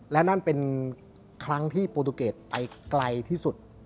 และนั่นเป็นครั้งที่โปรตูเกตไปไกลที่สุด